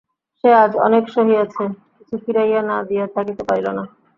সে আজ অনেক সহিয়াছে, কিছু ফিরাইয়া না দিয়া থাকিতে পারিল না।